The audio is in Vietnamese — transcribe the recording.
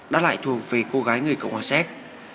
đã lại thuộc về cô gái người cộng hòa xét